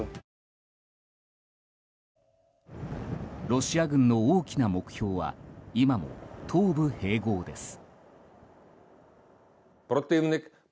ロシア軍の大きな目標は今も、東部併合です。